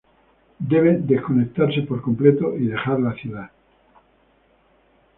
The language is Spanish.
Debe desconectarse por completo y dejar la ciudad.